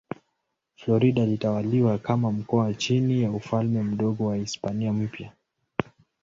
Florida ilitawaliwa kama mkoa chini ya Ufalme Mdogo wa Hispania Mpya.